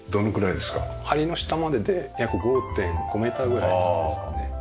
梁の下までで約５．５メーターぐらいですかね。